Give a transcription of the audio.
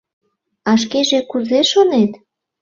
— А шкеже кузе шонет?